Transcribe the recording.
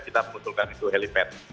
kita mengusulkan itu helipad